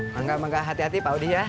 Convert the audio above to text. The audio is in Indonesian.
mangga mangga hati hati pak audi ya